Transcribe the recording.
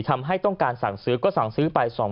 ทำให้ต้องการสั่งซื้อก็สั่งซื้อไป